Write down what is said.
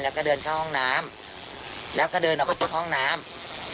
แล้วก็เดินเข้าห้องน้ำแล้วก็เดินออกไปจากห้องน้ำ